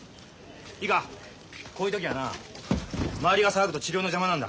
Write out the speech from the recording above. いいかこういう時はな周りが騒ぐと治療の邪魔なんだ。